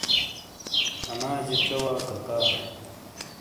اناجے ژے واکاکا۔